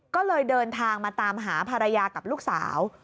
ก็เลยเดินทางมาตามหาภรรยากับลูกสาว